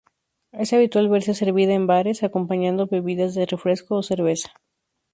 Es habitual verse servida en bares, acompañando bebidas de refresco o cerveza.